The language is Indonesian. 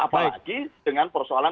apalagi dengan persoalan